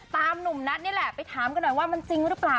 หนุ่มนัทนี่แหละไปถามกันหน่อยว่ามันจริงหรือเปล่า